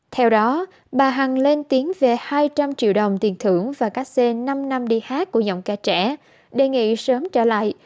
theo đó bà hằng lên tiếng về hai trăm linh triệu đồng tiền thưởng và cát xe năm năm đi hát của giọng ca trẻ đề nghị sớm trả lại